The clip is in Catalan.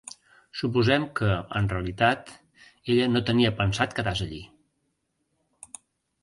Suposem que, en realitat, ella no tenia pensat quedar-se allí!